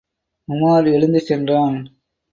உமார் எழுந்து சென்றான்.